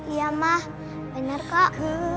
iya mah bener kok